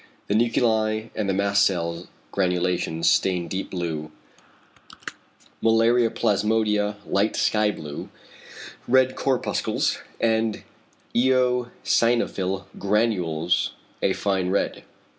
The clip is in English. The nuclei and the mast cell granulations stain deep blue, malaria plasmodia light sky blue, red corpuscles and eosinophil granules a fine red.